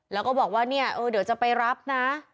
แล้วก็บอกว่าเนี่ยเดี๋ยวจะไปรับนะ